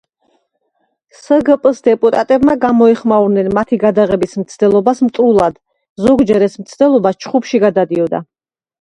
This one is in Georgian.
სგპ-ს დეპუტატებმა გამოეხმაურნენ მათი გადაღების მცდელობას მტრულად, ზოგჯერ ეს მცდელობა ჩხუბში გადადიოდა.